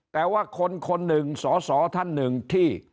แต่ว่าคนคนหนึ่งสสท่านหนึ่งที่